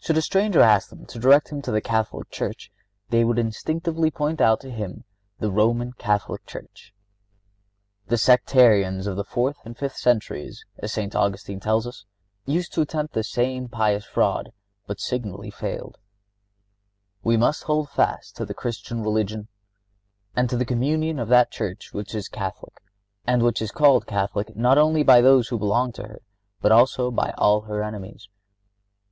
Should a stranger ask them to direct him to the Catholic Church they would instinctively point out to him the Roman Catholic Church. The sectarians of the fourth and fifth centuries, as St. Augustine tells us, used to attempt the same pious fraud, but signally failed: "We must hold fast to the Christian religion and to the communion of that Church which is Catholic, and which is called Catholic not only by those who belong to her, but also by all her enemies.